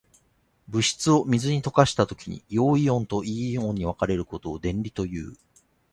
物質を水に溶かしたときに、陽イオンと陰イオンに分かれることを電離という。